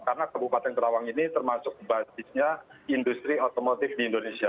karena kabupaten kerawang ini termasuk basisnya industri otomotif di indonesia